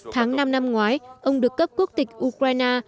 tháng năm năm ngoái ông được cấp quốc tịch ukraine